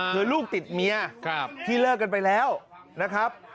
คือลูกติดเมียที่เลิกกันไปแล้วนะครับ